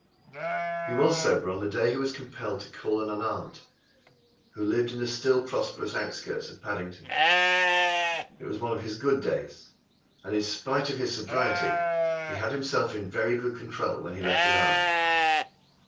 He was sober the day he was compelled to call on an aunt who lived in the still prosperous outskirts of Paddington. It was one of his good days and, in spite of his sobriety, he had himself in very good control when he left his aunt.